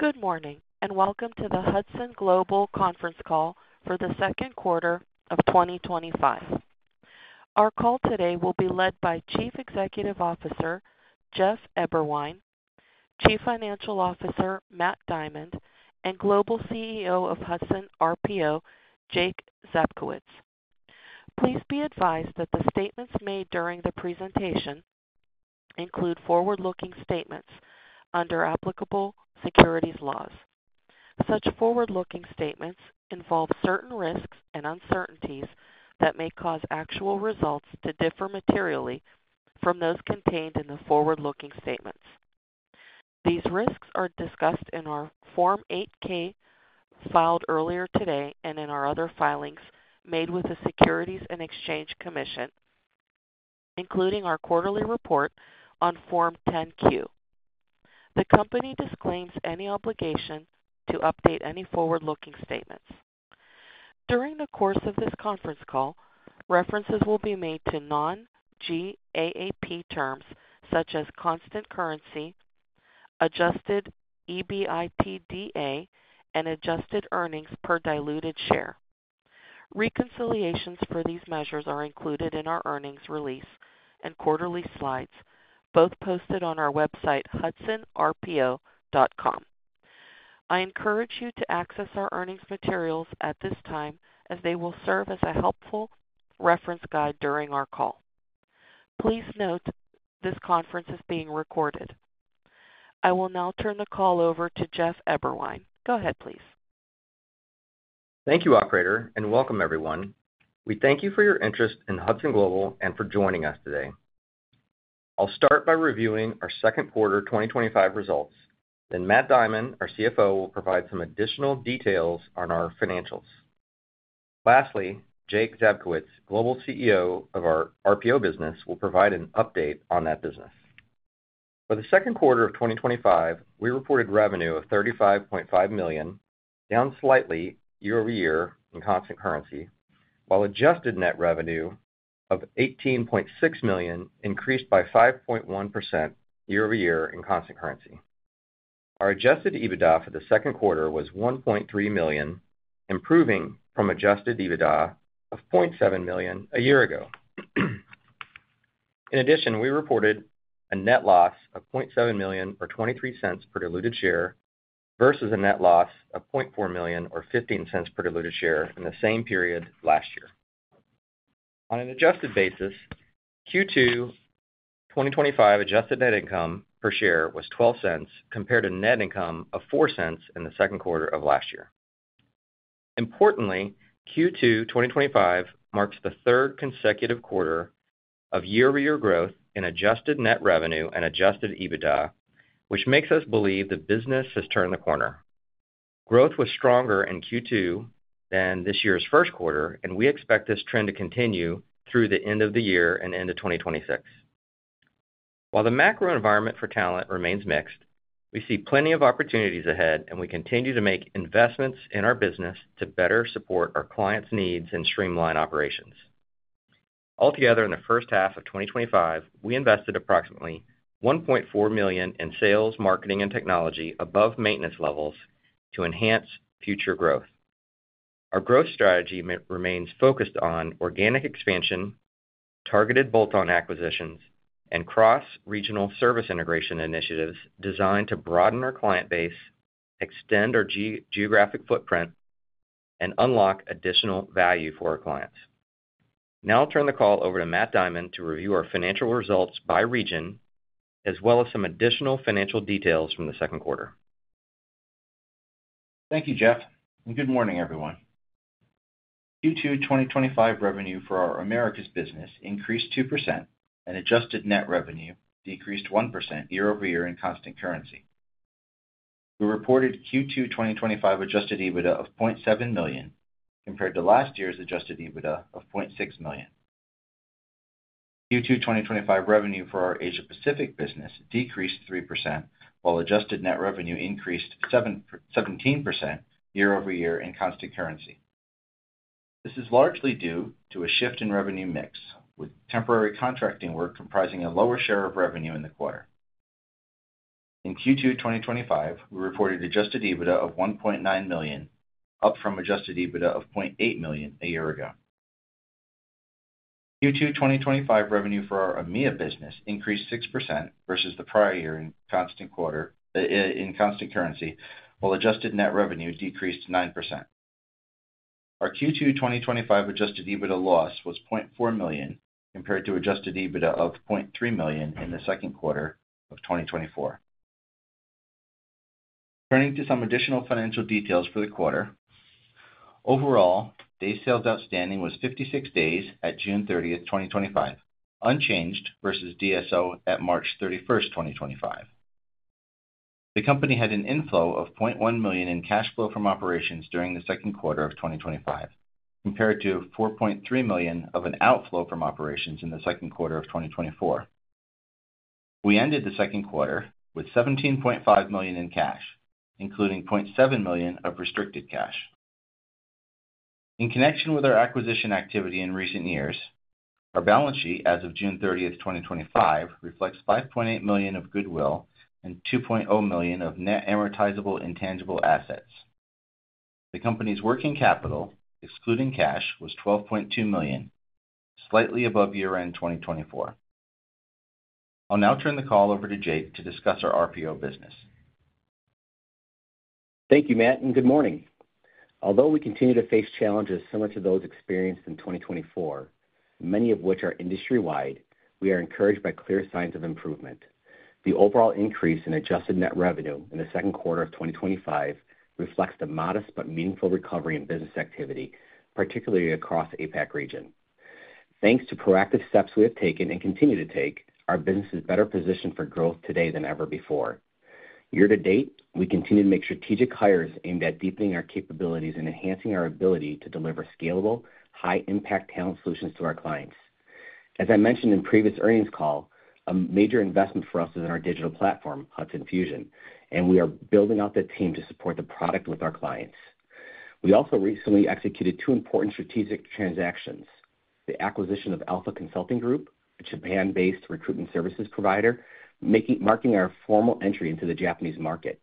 Good morning and welcome to the Hudson Global Conference Call for the Second Quarter of 2025. Our call today will be led by Chief Executive Officer Jeff Eberwein, Chief Financial Officer Matt Diamond, and Global CEO of Hudson RPO, Jake Zabkowicz. Please be advised that the statements made during the presentation include forward-looking statements under applicable securities laws. Such forward-looking statements involve certain risks and uncertainties that may cause actual results to differ materially from those contained in the forward-looking statements. These risks are discussed in our Form 8-K filed earlier today and in our other filings made with the Securities and Exchange Commission, including our quarterly report on Form 10-Q. The company disclaims any obligation to update any forward-looking statements. During the course of this conference call, references will be made to non-GAAP terms such as constant currency, adjusted EBITDA, and adjusted earnings per diluted share. Reconciliations for these measures are included in our earnings release and quarterly slides, both posted on our website, hudsonrpo.com. I encourage you to access our earnings materials at this time as they will serve as a helpful reference guide during our call. Please note this conference is being recorded. I will now turn the call over to Jeff Eberwein. Go ahead, please. Thank you, Operator, and welcome everyone. We thank you for your interest in Hudson Global and for joining us today. I'll start by reviewing our second quarter 2025 results. Then Matt Diamond, our CFO, will provide some additional details on our financials. Lastly, Jake Zabkowicz, Global CEO of our RPO business, will provide an update on that business. For the second quarter of 2025, we reported revenue of $35.5 million, down slightly year-over-year in constant currency, while adjusted net revenue of $18.6 million increased by 5.1% year-over-year in constant currency. Our adjusted EBITDA for the second quarter was $1.3 million, improving from adjusted EBITDA of $0.7 million a year ago. In addition, we reported a net loss of $0.7 million or $0.23 per diluted share versus a net loss of $0.4 million or $0.15 per diluted share in the same period last year. On an adjusted basis, Q2 2025 adjusted net income per share was $0.12 compared to net income of $0.04 in the second quarter of last year. Importantly, Q2 2025 marks the third consecutive quarter of year-over-year growth in adjusted net revenue and adjusted EBITDA, which makes us believe the business has turned the corner. Growth was stronger in Q2 than this year's first quarter, and we expect this trend to continue through the end of the year and into 2026. While the macro environment for talent remains mixed, we see plenty of opportunities ahead, and we continue to make investments in our business to better support our clients' needs and streamline operations. Altogether, in the first half of 2025, we invested approximately $1.4 million in sales, marketing, and technology above maintenance levels to enhance future growth. Our growth strategy remains focused on organic expansion, targeted bolt-on acquisitions, and cross-regional service integration initiatives designed to broaden our client base, extend our geographic footprint, and unlock additional value for our clients. Now I'll turn the call over to Matt Diamond to review our financial results by region, as well as some additional financial details from the second quarter. Thank you, Jeff, and good morning everyone. Q2 2025 revenue for our Americas business increased 2%, and adjusted net revenue decreased 1% year-over-year in constant currency. We reported Q2 2025 adjusted EBITDA of $0.7 million compared to last year's adjusted EBITDA of $0.6 million. Q2 2025 revenue for our Asia-Pacific business decreased 3%, while adjusted net revenue increased 17% year-over-year in constant currency. This is largely due to a shift in revenue mix with temporary contracting work comprising a lower share of revenue in the quarter. In Q2 2025, we reported adjusted EBITDA of $1.9 million, up from adjusted EBITDA of $0.8 million a year ago. Q2 2025 revenue for our EMEA business increased 6% versus the prior year in constant currency, while adjusted net revenue decreased 9%. Our Q2 2025 adjusted EBITDA loss was $0.4 million compared to adjusted EBITDA of $0.3 million in the second quarter of 2024. Turning to some additional financial details for the quarter, overall, day sales outstanding was 56 days at June 30, 2025, unchanged versus DSO at March 31, 2025. The company had an inflow of $0.1 million in cash flow from operations during the second quarter of 2025, compared to $4.3 million of an outflow from operations in the second quarter of 2024. We ended the second quarter with $17.5 million in cash, including $0.7 million of restricted cash. In connection with our acquisition activity in recent years, our balance sheet as of June 30, 2025, reflects $5.8 million of goodwill and $2.0 million of net amortizable intangible assets. The company's working capital, excluding cash, was $12.2 million, slightly above year-end 2024. I'll now turn the call over to Jake to discuss our RPO business. Thank you, Matt, and good morning. Although we continue to face challenges similar to those experienced in 2024, many of which are industry-wide, we are encouraged by clear signs of improvement. The overall increase in adjusted net revenue in the second quarter of 2025 reflects the modest but meaningful recovery in business activity, particularly across the Asia-Pacific region. Thanks to proactive steps we have taken and continue to take, our business is better positioned for growth today than ever before. Year to date, we continue to make strategic hires aimed at deepening our capabilities and enhancing our ability to deliver scalable, high-impact talent solutions to our clients. As I mentioned in the previous earnings call, a major investment for us is in our digital platform, Hudson Fusion, and we are building out the team to support the product with our clients. We also recently executed two important strategic transactions: the acquisition of Alpha Consulting Group, a Japan-based recruitment services provider, marking our formal entry into the Japanese market,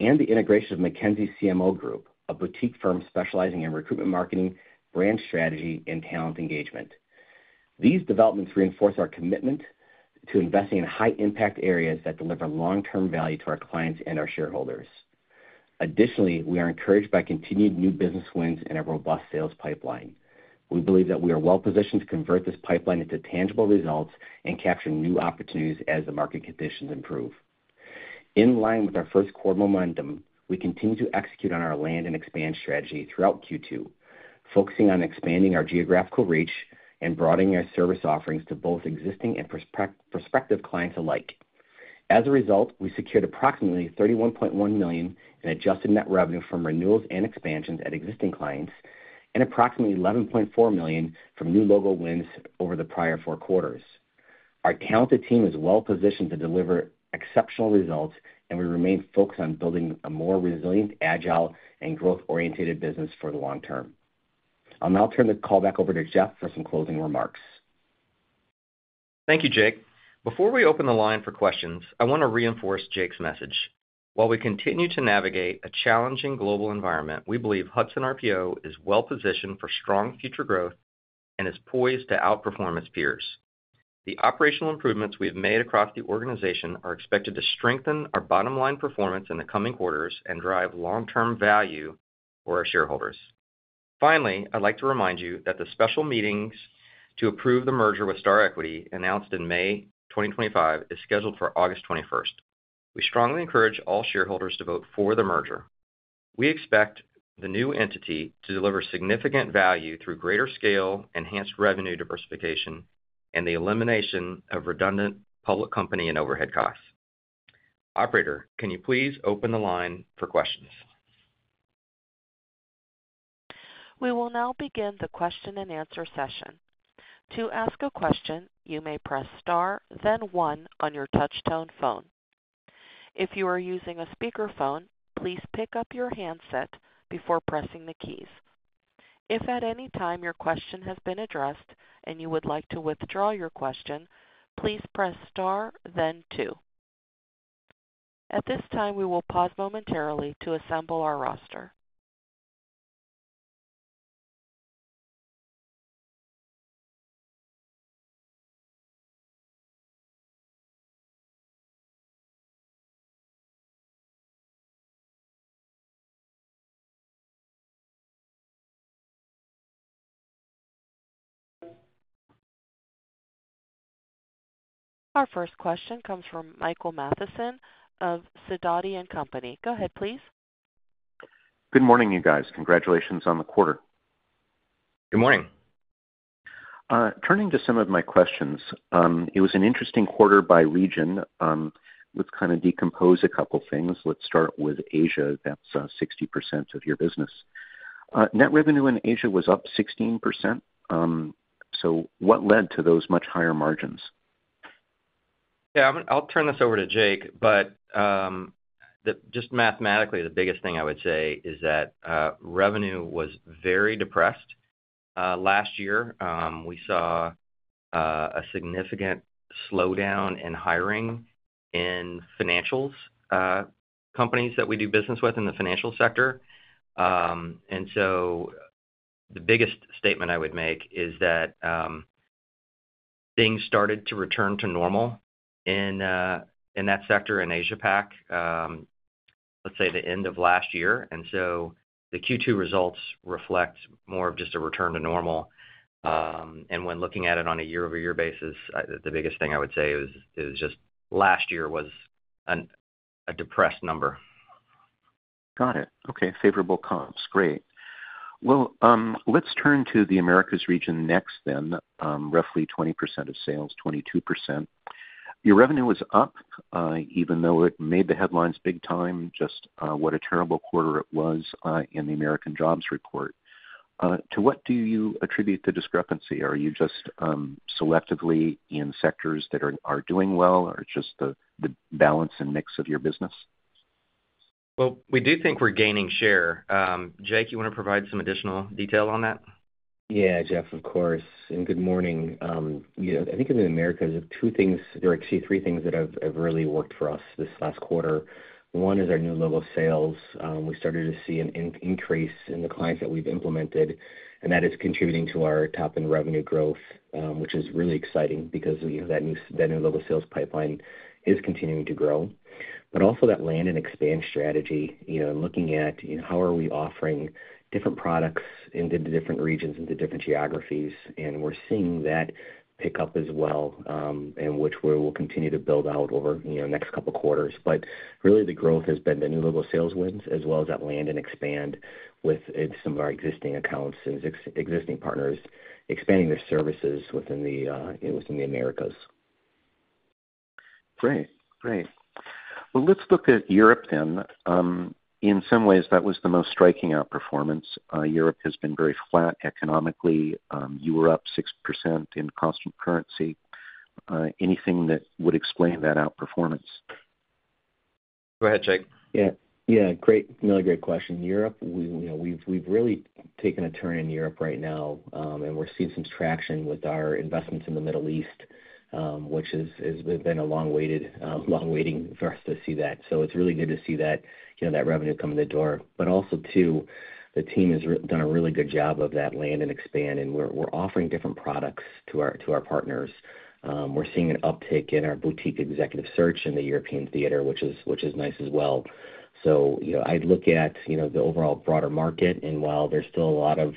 and the integration of McKinsey CMO Group, a boutique firm specializing in recruitment marketing, brand strategy, and talent engagement. These developments reinforce our commitment to investing in high-impact areas that deliver long-term value to our clients and our shareholders. Additionally, we are encouraged by continued new business wins and a robust sales pipeline. We believe that we are well positioned to convert this pipeline into tangible results and capture new opportunities as the market conditions improve. In line with our first quarter momentum, we continue to execute on our land and expand strategy throughout Q2, focusing on expanding our geographical reach and broadening our service offerings to both existing and prospective clients alike. As a result, we secured approximately $31.1 million in adjusted net revenue from renewals and expansions at existing clients and approximately $11.4 million from new local wins over the prior four quarters. Our talented team is well positioned to deliver exceptional results, and we remain focused on building a more resilient, agile, and growth-oriented business for the long term. I'll now turn the call back over to Jeff for some closing remarks. Thank you, Jake. Before we open the line for questions, I want to reinforce Jake's message. While we continue to navigate a challenging global environment, we believe Hudson RPO is well positioned for strong future growth and is poised to outperform its peers. The operational improvements we have made across the organization are expected to strengthen our bottom-line performance in the coming quarters and drive long-term value for our shareholders. Finally, I'd like to remind you that the special meeting to approve the merger with Star Equity, announced in May 2025, is scheduled for August 21. We strongly encourage all shareholders to vote for the merger. We expect the new entity to deliver significant value through greater scale, enhanced revenue diversification, and the elimination of redundant public company and overhead costs. Operator, can you please open the line for questions? We will now begin the question and answer session. To ask a question, you may press star, then one on your touch-tone phone. If you are using a speaker phone, please pick up your handset before pressing the keys. If at any time your question has been addressed and you would like to withdraw your question, please press star, then two. At this time, we will pause momentarily to assemble our roster. Our first question comes from Michael Mathison of Sidoti & Company. Go ahead, please. Good morning, you guys. Congratulations on the quarter. Good morning. Turning to some of my questions, it was an interesting quarter by region. Let's kind of decompose a couple of things. Let's start with Asia. That's 60% of your business. Net revenue in Asia was up 16%. What led to those much higher margins? I'll turn this over to Jake, but just mathematically, the biggest thing I would say is that revenue was very depressed. Last year, we saw a significant slowdown in hiring in financials, companies that we do business with in the financial sector. The biggest statement I would make is that things started to return to normal in that sector in Asia-Pacific, let's say the end of last year. The Q2 results reflect more of just a return to normal. When looking at it on a year-over-year basis, the biggest thing I would say is just last year was a depressed number. Got it. Okay. Favorable comps. Great. Let's turn to the Americas region next. Roughly 20% of sales, 22%. Your revenue was up, even though it made the headlines big time, just, what a terrible quarter it was, in the American Jobs Report. To what do you attribute the discrepancy? Are you just selectively in sectors that are doing well, or just the balance and mix of your business? We do think we're gaining share. Jake, you want to provide some additional detail on that? Yeah, Jeff, of course. Good morning. I think in the Americas, you have two things or actually three things that have really worked for us this last quarter. One is our new logo sales. We started to see an increase in the clients that we've implemented, and that is contributing to our top-end revenue growth, which is really exciting because that new logo sales pipeline is continuing to grow. Also, that land and expand strategy, looking at how are we offering different products into different regions, into different geographies, and we're seeing that pick up as well, which we will continue to build out over the next couple of quarters. Really, the growth has been the new logo sales wins, as well as that land and expand with some of our existing accounts and existing partners expanding their services within the Americas. Right. Right. Let's look at Europe then. In some ways, that was the most striking outperformance. Europe has been very flat economically. You were up 6% in constant currency. Anything that would explain that outperformance? Go ahead, Jake. Yeah. Yeah, great. Really great question. Europe, we, you know, we've really taken a turn in Europe right now, and we're seeing some traction with our investments in the Middle East, which has been a long-waited, long waiting for us to see that. It's really good to see that, you know, that revenue come in the door. Also, the team has done a really good job of that land and expand, and we're offering different products to our partners. We're seeing an uptick in our boutique executive search in the European theater, which is nice as well. I'd look at, you know, the overall broader market, and while there's still a lot of,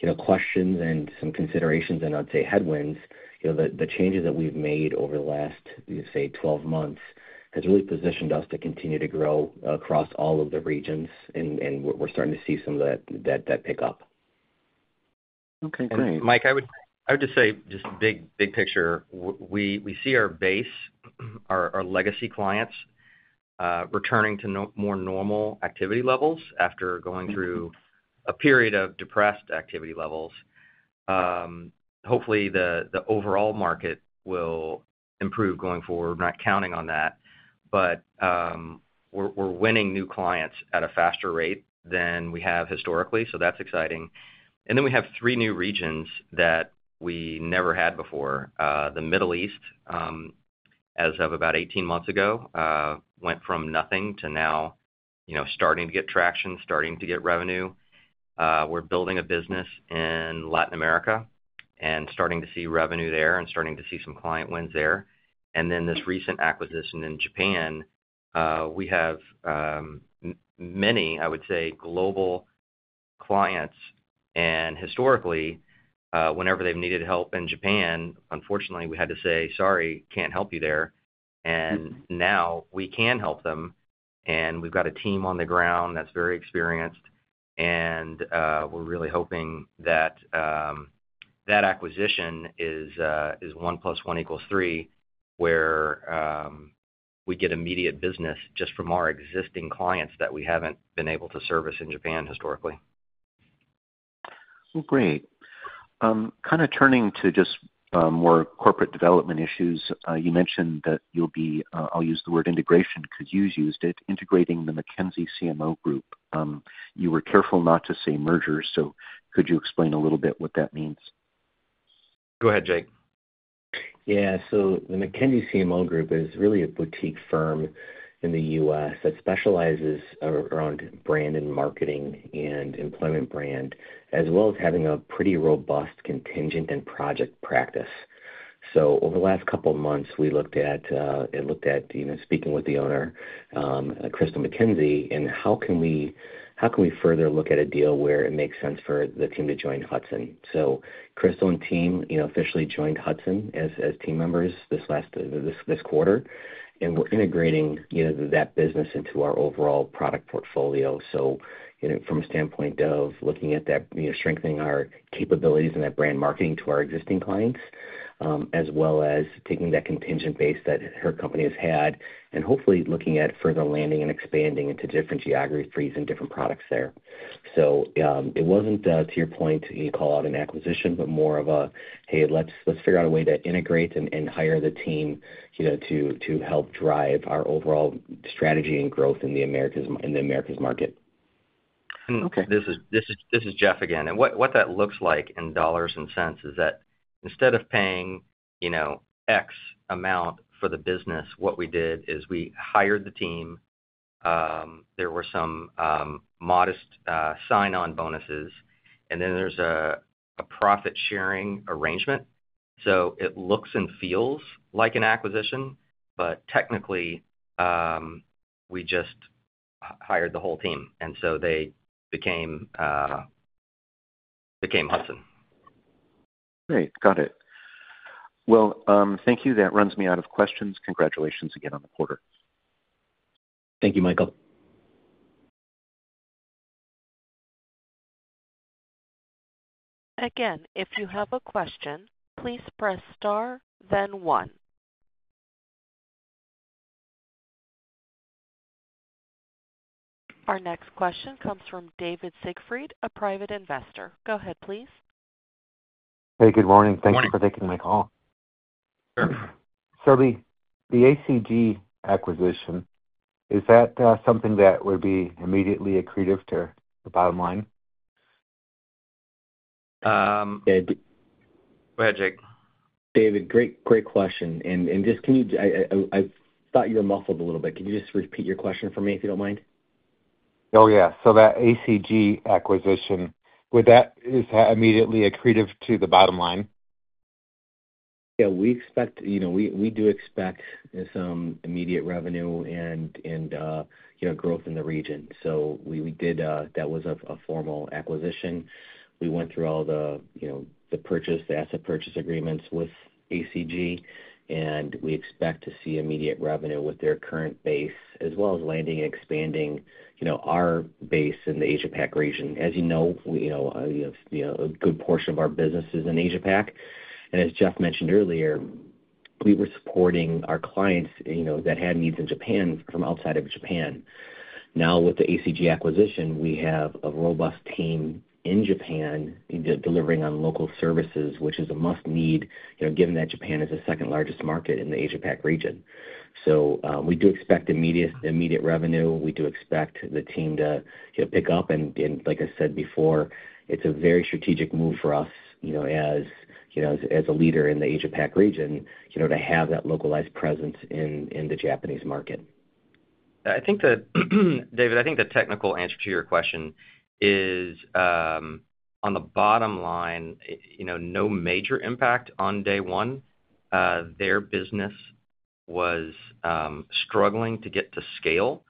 you know, questions and some considerations, and I'd say headwinds, the changes that we've made over the last, say, 12 months have really positioned us to continue to grow across all of the regions, and we're starting to see some of that pick up. Okay. Thanks. Mike, I would just say, big picture, we see our base, our legacy clients, returning to more normal activity levels after going through a period of depressed activity levels. Hopefully, the overall market will improve going forward. We're not counting on that, but we're winning new clients at a faster rate than we have historically. That's exciting. We have three new regions that we never had before. The Middle East, as of about 18 months ago, went from nothing to now starting to get traction, starting to get revenue. We're building a business in Latin America and starting to see revenue there and starting to see some client wins there. This recent acquisition in Japan, we have many, I would say, global clients. Historically, whenever they've needed help in Japan, unfortunately, we had to say, "Sorry, can't help you there." Now we can help them, and we've got a team on the ground that's very experienced. We're really hoping that acquisition is one plus one equals three, where we get immediate business just from our existing clients that we haven't been able to service in Japan historically. Great, kind of turning to just more corporate development issues. You mentioned that you'll be, I'll use the word integration because you've used it, integrating the McKinsey CMO Group. You were careful not to say merger. Could you explain a little bit what that means? Go ahead, Jake. Yeah. The McKinsey CMO Group is really a boutique firm in the U.S. that specializes around brand strategy and marketing and employment brand, as well as having a pretty robust contingent and project practice. Over the last couple of months, we looked at, you know, speaking with the owner, Crystal McKinsey, and how can we further look at a deal where it makes sense for the team to join Hudson. Crystal and team officially joined Hudson as team members this quarter. We're integrating that business into our overall product portfolio. From a standpoint of looking at that, strengthening our capabilities in brand marketing to our existing clients, as well as taking that contingent base that her company has had, and hopefully looking at further landing and expanding into different geographies and different products there. It wasn't, to your point, you call out an acquisition, but more of a, "Hey, let's figure out a way to integrate and hire the team to help drive our overall strategy and growth in the Americas, in the Americas market. This is Jeff again. What that looks like in dollars and cents is that instead of paying, you know, X amount for the business, what we did is we hired the team. There were some modest sign-on bonuses, and then there's a profit-sharing arrangement. It looks and feels like an acquisition, but technically, we just hired the whole team, and so they became Hudson. Great. Got it. Thank you. That runs me out of questions. Congratulations again on the quarter. Thank you, Michael. Again, if you have a question, please press star, then one. Our next question comes from David Siegfried of Private Investor. Go ahead, please. Hey, good morning. Thank you for taking my call. The ACG acquisition, is that something that would be immediately accretive to the bottom line? David, go ahead, Jake. David, great, great question. Can you, I thought you were muffled a little bit. Can you just repeat your question for me if you don't mind? Oh, yeah. That ACG acquisition, would that is immediately accretive to the bottom line? Yeah, we expect, you know, we do expect some immediate revenue and, you know, growth in the region. That was a formal acquisition. We went through all the, you know, the purchase, the asset purchase agreements with Alpha Consulting Group, and we expect to see immediate revenue with their current base, as well as landing and expanding, you know, our base in the Asia-Pacific region. As you know, a good portion of our business is in Asia-Pacific. As Jeff mentioned earlier, we were supporting our clients that had needs in Japan from outside of Japan. Now, with the Alpha Consulting Group acquisition, we have a robust team in Japan delivering on local services, which is a must-need, you know, given that Japan is the second largest market in the Asia-Pacific region. We do expect immediate revenue. We do expect the team to, you know, pick up. Like I said before, it's a very strategic move for us, you know, as a leader in the Asia-Pacific region, to have that localized presence in the Japanese market. I think that, David, the technical answer to your question is, on the bottom line, no major impact on day one. Their business was struggling to get to scale.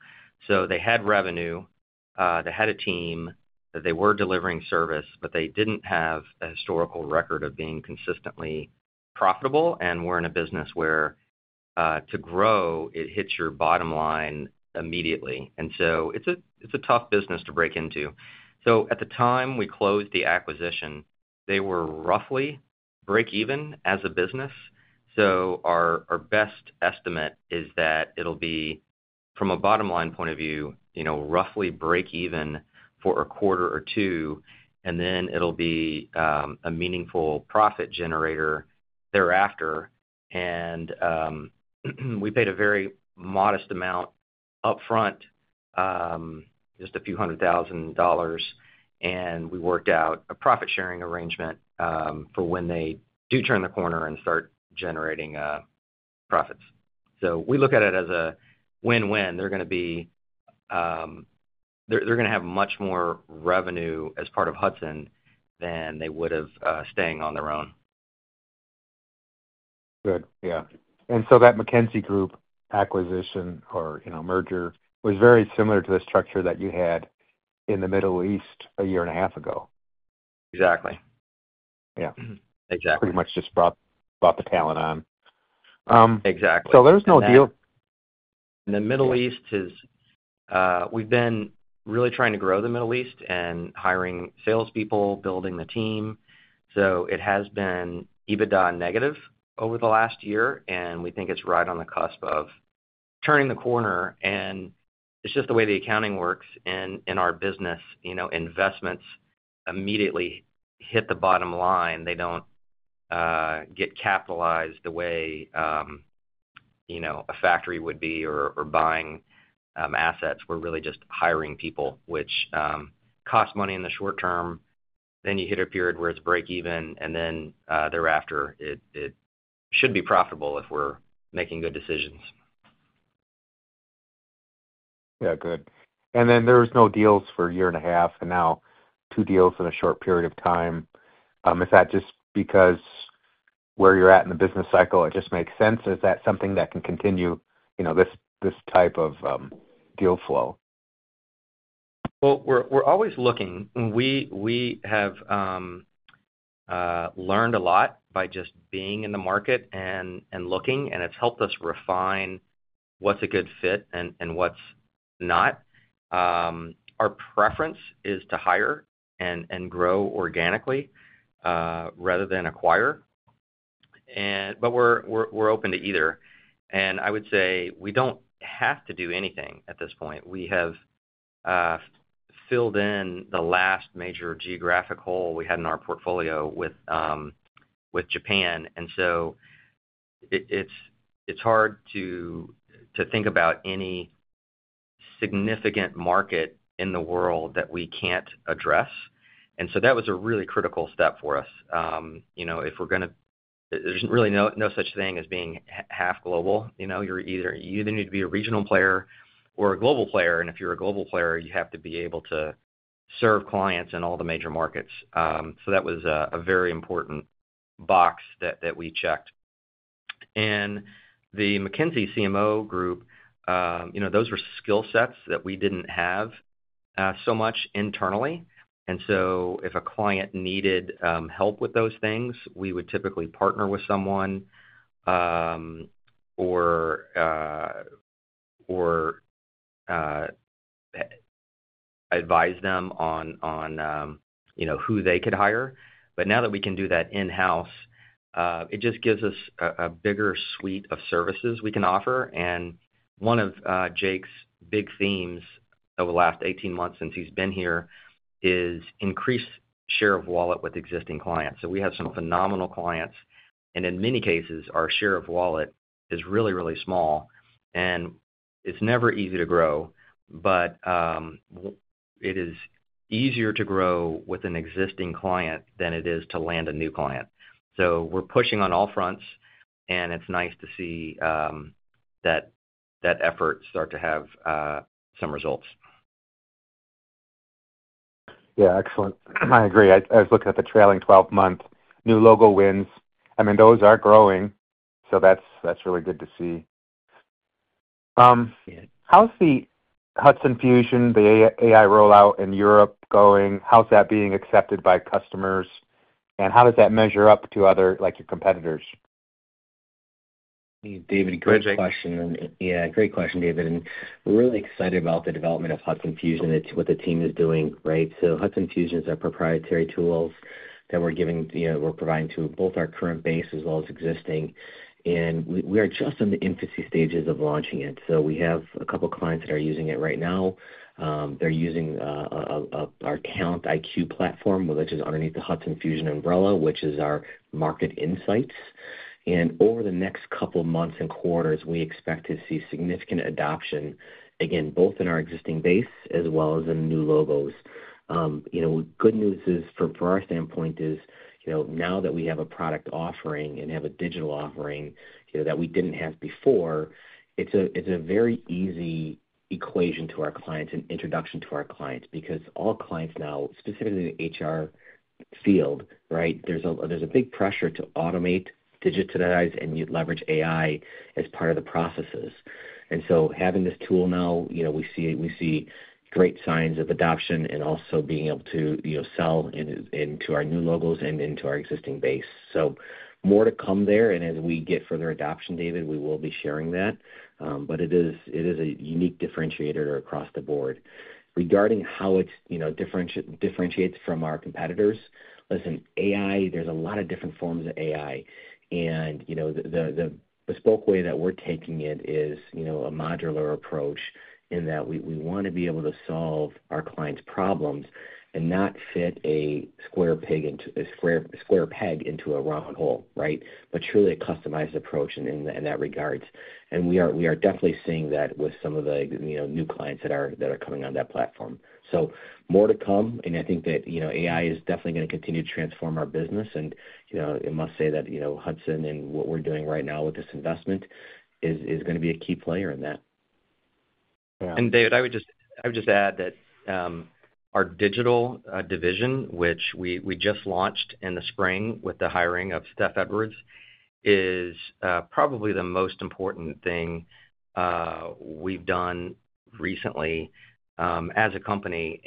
They had revenue, they had a team, they were delivering service, but they didn't have a historical record of being consistently profitable and were in a business where, to grow, it hits your bottom line immediately. It's a tough business to break into. At the time we closed the acquisition, they were roughly break-even as a business. Our best estimate is that it'll be, from a bottom line point of view, roughly break-even for a quarter or two, and then it'll be a meaningful profit generator thereafter. We paid a very modest amount upfront, just a few hundred thousand dollars, and we worked out a profit-sharing arrangement for when they do turn the corner and start generating profits. We look at it as a win-win. They're going to have much more revenue as part of Hudson than they would have staying on their own. Good. Yeah. That McKinsey CMO Group acquisition or, you know, merger was very similar to the structure that you had in the Middle East a year and a half ago. Exactly. Yeah, exactly. Pretty much just brought the talent on. Exactly. There is no deal. The Middle East is, we've been really trying to grow the Middle East and hiring salespeople, building the team. It has been EBITDA negative over the last year, and we think it's right on the cusp of turning the corner. It's just the way the accounting works in our business. You know, investments immediately hit the bottom line. They don't get capitalized the way, you know, a factory would be or buying assets. We're really just hiring people, which costs money in the short-term. You hit a period where it's break-even, and thereafter, it should be profitable if we're making good decisions. Good. There was no deals for a year and a half, and now two deals in a short period of time. Is that just because where you're at in the business cycle, it just makes sense? Is that something that can continue, you know, this type of deal flow? We are always looking. We have learned a lot by just being in the market and looking, and it's helped us refine what's a good fit and what's not. Our preference is to hire and grow organically, rather than acquire, but we're open to either. I would say we don't have to do anything at this point. We have filled in the last major geographic hole we had in our portfolio with Japan, and it's hard to think about any significant market in the world that we can't address. That was a really critical step for us. You know, there's really no such thing as being half global. You either need to be a regional player or a global player, and if you're a global player, you have to be able to serve clients in all the major markets. That was a very important box that we checked. The McKinsey CMO Group, those were skill sets that we didn't have so much internally. If a client needed help with those things, we would typically partner with someone or advise them on who they could hire. Now that we can do that in-house, it just gives us a bigger suite of services we can offer. One of Jake's big themes over the last 18 months since he's been here is increase share of wallet with existing clients. We have some phenomenal clients, and in many cases, our share of wallet is really, really small. It's never easy to grow, but it is easier to grow with an existing client than it is to land a new client. We are pushing on all fronts, and it's nice to see that effort start to have some results. Yeah, excellent. I agree. I was looking at the trailing 12-month new logo wins. I mean, those are growing. That's really good to see. How's the Hudson Fusion, the AI rollout in Europe going? How's that being accepted by customers? How does that measure up to other, like your competitors? David, great question. We're really excited about the development of Hudson Fusion and what the team is doing, right? Hudson Fusion is our proprietary tools that we're giving, you know, we're providing to both our current base as well as existing. We are just in the infancy stages of launching it. We have a couple of clients that are using it right now. They're using our Count IQ platform, which is underneath the Hudson Fusion umbrella, which is our market insights. Over the next couple of months and quarters, we expect to see significant adoption again, both in our existing base as well as in new logos. Good news is from our standpoint is, now that we have a product offering and have a digital offering that we didn't have before, it's a very easy equation to our clients and introduction to our clients because all clients now, specifically in the HR field, right? There's a big pressure to automate, digitize, and leverage AI as part of the processes. Having this tool now, we see great signs of adoption and also being able to sell into our new logos and into our existing base. More to come there. As we get further adoption, David, we will be sharing that. It is a unique differentiator across the board. Regarding how it differentiates from our competitors, listen, AI, there's a lot of different forms of AI. The bespoke way that we're taking it is a modular approach in that we want to be able to solve our clients' problems and not fit a square peg into a round hole, right? Truly a customized approach in that regard. We are definitely seeing that with some of the new clients that are coming on that platform. More to come. I think that AI is definitely going to continue to transform our business. I must say that Hudson and what we're doing right now with this investment is going to be a key player in that. David, I would just add that our digital division, which we just launched in the spring with the hiring of Steph Edwards, is probably the most important thing we've done recently as a company.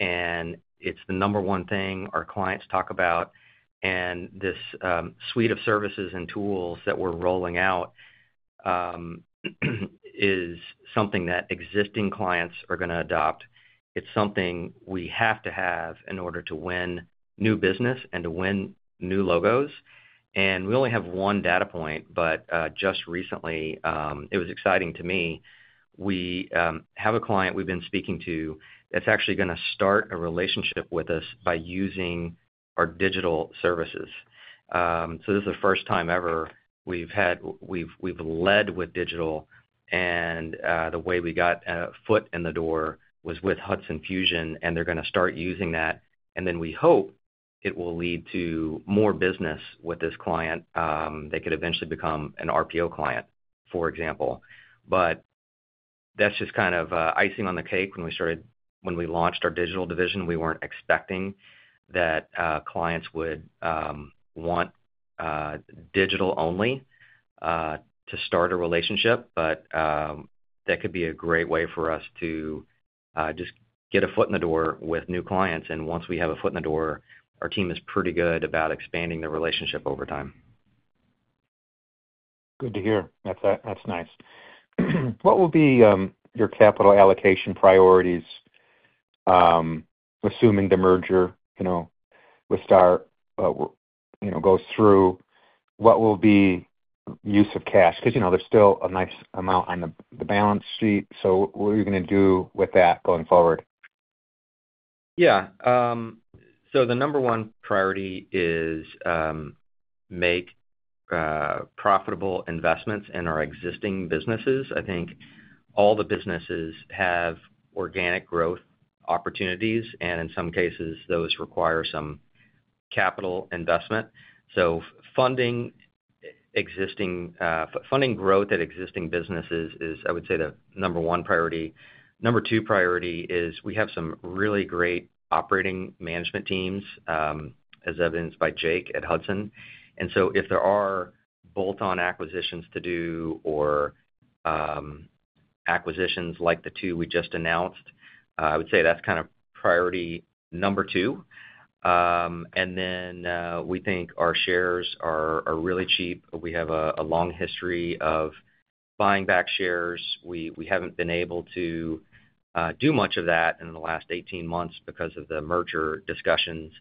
It's the number one thing our clients talk about. This suite of services and tools that we're rolling out is something that existing clients are going to adopt. It's something we have to have in order to win new business and to win new logos. We only have one data point, but just recently, it was exciting to me. We have a client we've been speaking to that's actually going to start a relationship with us by using our digital services. This is the first time ever we've led with digital. The way we got a foot in the door was with Hudson Fusion, and they're going to start using that. We hope it will lead to more business with this client. They could eventually become an RPO client, for example. That's just kind of icing on the cake. When we launched our digital division, we weren't expecting that clients would want digital only to start a relationship. That could be a great way for us to just get a foot in the door with new clients. Once we have a foot in the door, our team is pretty good about expanding the relationship over time. Good to hear. That's nice. What will be your capital allocation priorities, assuming the merger with Star Equity goes through? What will be the use of cash? There's still a nice amount on the balance sheet. What are you going to do with that going forward? Yeah. The number one priority is, make profitable investments in our existing businesses. I think all the businesses have organic growth opportunities, and in some cases, those require some capital investment. Funding growth at existing businesses is, I would say, the number one priority. Number two priority is we have some really great operating management teams, as evidenced by Jake at Hudson. If there are bolt-on acquisitions to do or acquisitions like the two we just announced, I would say that's kind of priority number two. We think our shares are really cheap. We have a long history of buying back shares. We haven't been able to do much of that in the last 18 months because of the merger discussions.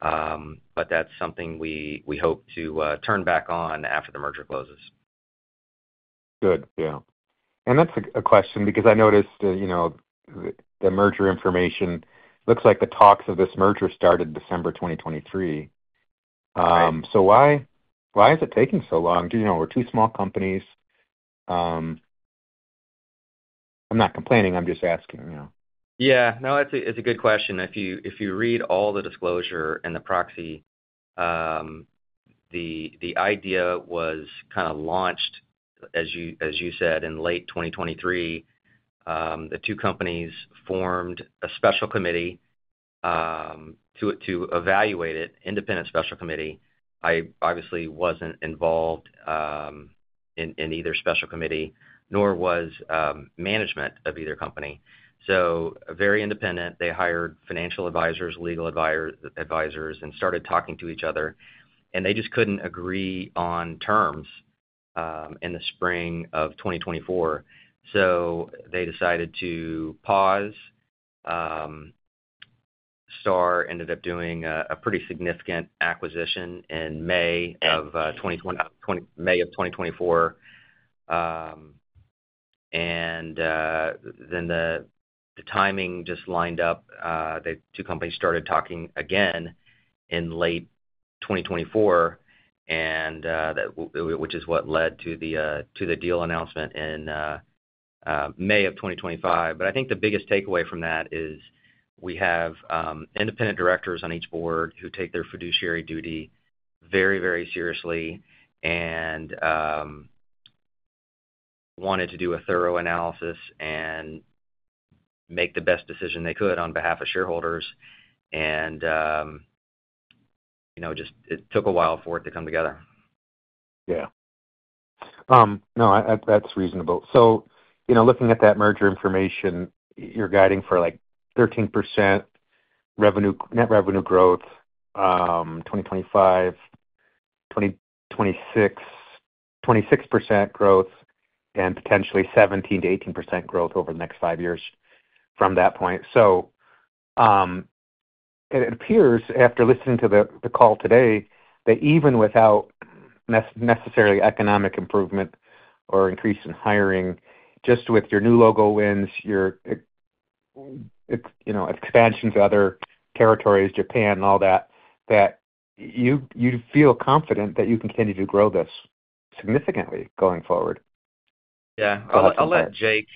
That's something we hope to turn back on after the merger closes. Yeah, that's a question because I noticed that the merger information looks like the talks of this merger started December 2023. Why is it taking so long? You know, we're two small companies. I'm not complaining, I'm just asking, you know. Yeah. No, it's a good question. If you read all the disclosure and the proxy, the idea was kind of launched, as you said, in late 2023. The two companies formed a special committee to evaluate it, an independent special committee. I obviously wasn't involved in either special committee, nor was management of either company. Very independent. They hired financial advisors, legal advisors, and started talking to each other. They just couldn't agree on terms in the spring of 2024, so they decided to pause. Star Equity ended up doing a pretty significant acquisition in May of 2024, and then the timing just lined up. The two companies started talking again in late 2024, which is what led to the deal announcement in May of 2025. I think the biggest takeaway from that is we have independent directors on each board who take their fiduciary duty very, very seriously and wanted to do a thorough analysis and make the best decision they could on behalf of shareholders. It took a while for it to come together. Yeah, no, that's reasonable. Looking at that merger information, you're guiding for like 13% net revenue growth, 2025, 2026, 26% growth, and potentially 17%-18% growth over the next five years from that point. It appears after listening to the call today that even without necessarily economic improvement or increase in hiring, just with your new logo wins, your expansion to other territories, Japan, and all that, that you feel confident that you can continue to grow this significantly going forward. Yeah. I'll let Jake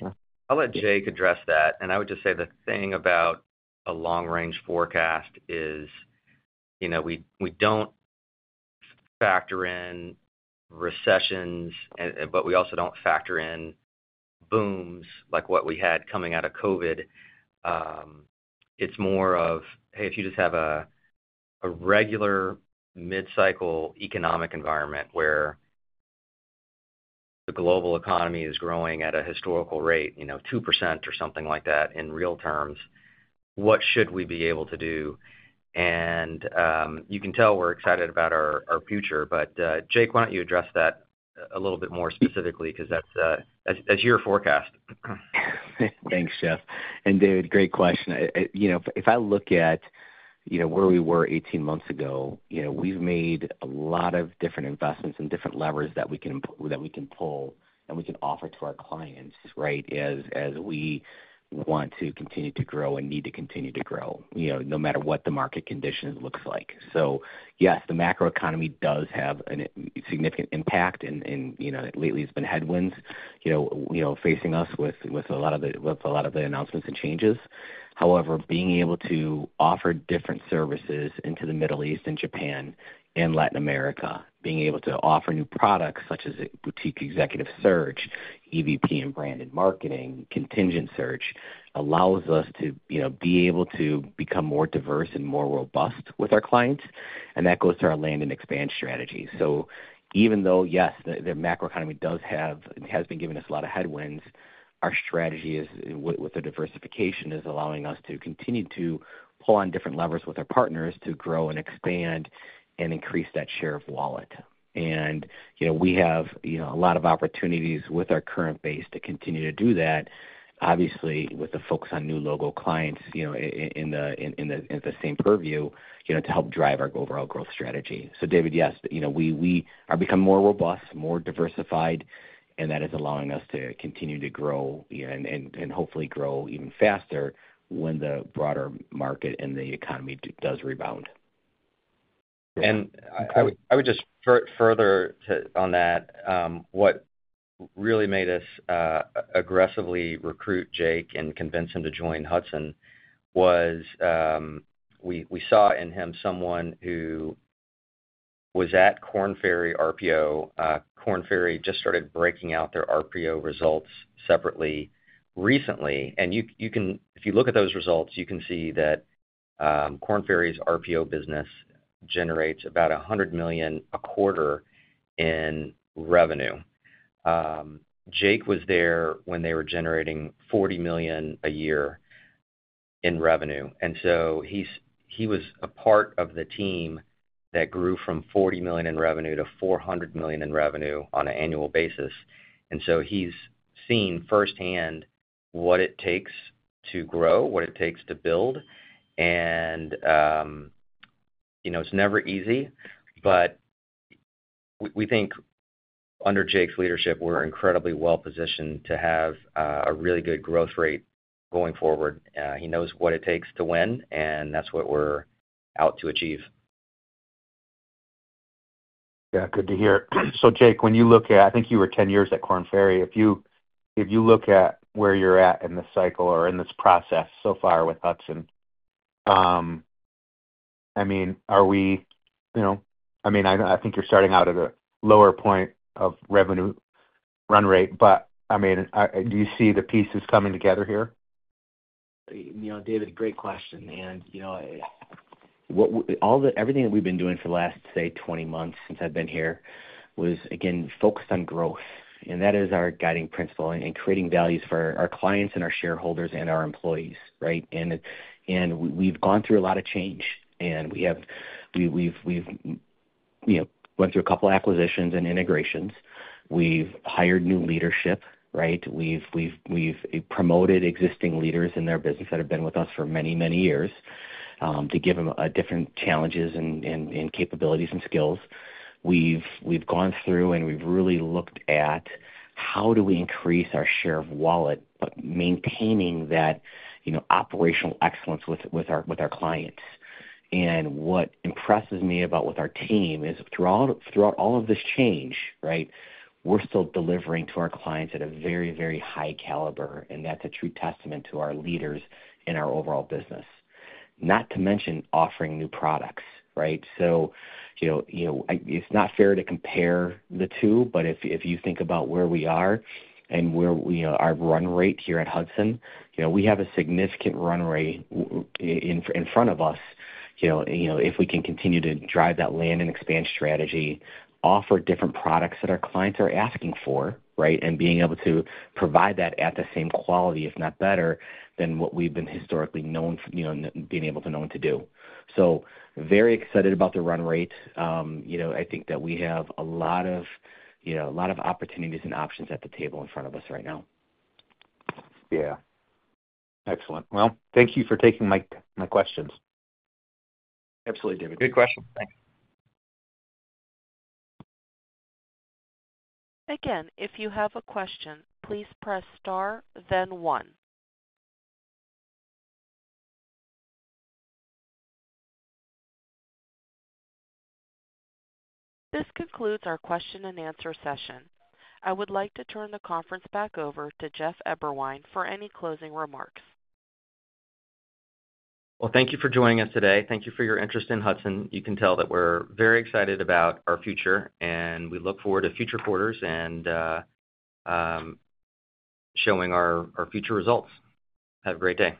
address that. I would just say the thing about a long-range forecast is, you know, we don't factor in recessions, but we also don't factor in booms like what we had coming out of COVID. It's more of, hey, if you just have a regular mid-cycle economic environment where the global economy is growing at a historical rate, you know, 2% or something like that in real terms, what should we be able to do? You can tell we're excited about our future. Jake, why don't you address that a little bit more specifically because that's your forecast. Thanks, Jeff. David, great question. If I look at where we were 18 months ago, we've made a lot of different investments and different levers that we can pull and we can offer to our clients, right, as we want to continue to grow and need to continue to grow, no matter what the market condition looks like. Yes, the macroeconomy does have a significant impact and lately it's been headwinds facing us with a lot of the announcements and changes. However, being able to offer different services into the Middle East and Japan and Latin America, being able to offer new products such as boutique executive search, EVP, and branded marketing, contingent search allows us to become more diverse and more robust with our clients. That goes to our land and expand strategy. Even though the macroeconomy has been giving us a lot of headwinds, our strategy with the diversification is allowing us to continue to pull on different levers with our partners to grow and expand and increase that share of wallet. We have a lot of opportunities with our current base to continue to do that, obviously with the focus on new logo clients in the same purview to help drive our overall growth strategy. David, yes, we are becoming more robust, more diversified, and that is allowing us to continue to grow, and hopefully grow even faster when the broader market and the economy does rebound. I would just further to on that, what really made us aggressively recruit Jake and convince him to join Hudson was, we saw in him someone who was at Korn Ferry RPO. Korn Ferry just started breaking out their RPO results separately recently. If you look at those results, you can see that Korn Ferry's RPO business generates about $100 million a quarter in revenue. Jake was there when they were generating $40 million a year in revenue. He was a part of the team that grew from $40 million in revenue to $400 million in revenue on an annual basis. He’s seen firsthand what it takes to grow, what it takes to build. You know, it's never easy, but we think under Jake's leadership, we're incredibly well positioned to have a really good growth rate going forward. He knows what it takes to win, and that's what we're out to achieve. Yeah, good to hear. Jake, when you look at, I think you were 10 years at Korn Ferry. If you look at where you're at in this cycle or in this process so far with Hudson Global, I mean, are we, you know, I think you're starting out at a lower point of revenue run rate, but do you see the pieces coming together here? David, great question. Everything that we've been doing for the last, say, 20 months since I've been here was, again, focused on growth. That is our guiding principle in creating values for our clients, our shareholders, and our employees, right? We've gone through a lot of change. We've gone through a couple of acquisitions and integrations. We've hired new leadership, right? We've promoted existing leaders in their business that have been with us for many, many years to give them different challenges and capabilities and skills. We've really looked at how do we increase our share of wallet, maintaining that operational excellence with our clients. What impresses me about our team is throughout all of this change, we're still delivering to our clients at a very, very high caliber. That's a true testament to our leaders and our overall business, not to mention offering new products, right? It's not fair to compare the two, but if you think about where we are and where our run rate here at Hudson Global, we have a significant run rate in front of us. If we can continue to drive that land and expand strategy, offer different products that our clients are asking for, and being able to provide that at the same quality, if not better, than what we've been historically known, being able to know and to do. Very excited about the run rate. I think that we have a lot of opportunities and options at the table in front of us right now. Yeah. Excellent. Thank you for taking my questions. Absolutely, David. Good question. Thanks. Again, if you have a question, please press star, then one. This concludes our question and answer session. I would like to turn the conference back over to Jeff Eberwein for any closing remarks. Thank you for joining us today. Thank you for your interest in Hudson. You can tell that we're very excited about our future, and we look forward to future quarters and showing our future results. Have a great day.